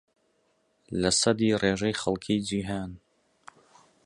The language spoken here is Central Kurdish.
لەسەدی ڕێژەی خەڵکی جیھان